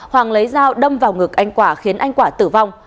hoàng lấy dao đâm vào ngực anh quả khiến anh quả tử vong